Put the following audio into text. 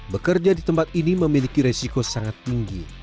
bekerja di tempat ini memiliki resiko sangat tinggi